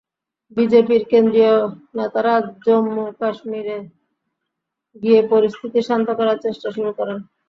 বিজেপির কেন্দ্রীয় নেতারা জম্মু কাশ্মীরে গিয়ে পরিস্থিতি শান্ত করার চেষ্টা শুরু করেন।